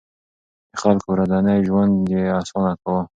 د خلکو ورځنی ژوند يې اسانه کاوه.